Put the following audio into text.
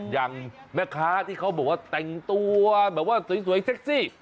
อย่างแม่ค้าที่เขาบอกว่าแต่งตัวแบบว่าสวยเซ็กซี่